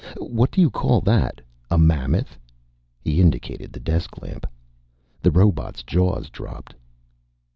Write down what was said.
What do you call that, a mammoth?" He indicated the desk lamp. The robot's jaw dropped.